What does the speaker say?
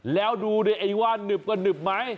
แล้วดูด้วยไอว้านหนึบกันหนึบมั้ย